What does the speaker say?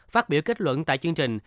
phát biểu kết luận tại chương trình